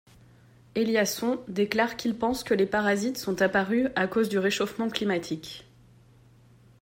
Eliason déclare qu'il pense que les parasites sont apparus à cause du réchauffement climatique.